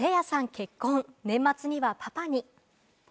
結婚、年末にはパパに。